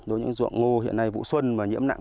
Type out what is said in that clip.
đối với những ruộng ngô hiện nay vụ xuân mà nhiễm nặng